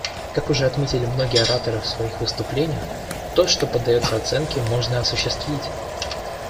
Как уже отметили многие ораторы в своих выступлениях, «то, что поддается оценке, можно осуществить».